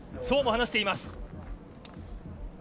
そうも話しています。